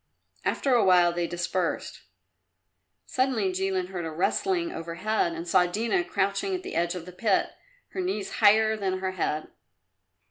After a while they dispersed. Suddenly Jilin heard a rustling overhead and saw Dina crouching at the edge of the pit, her knees higher than her head.